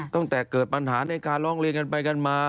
ตั้งแต่เกิดปัญหาในการร้องเรียนกันไปกันมา